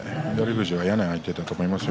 富士は嫌な相手だと思いますよ。